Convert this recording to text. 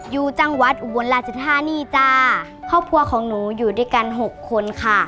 อยู่ด้วยกัน๖คนค่ะ